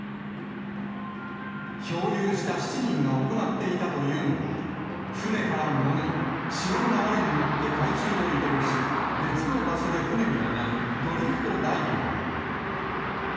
漂流した７人が行っていたというのが、船から潜り、潮の流れに乗って海中を移動し、別の場所で船に上がるドリフトダイビング。